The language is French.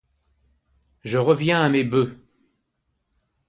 Je reviens à mes bœufs.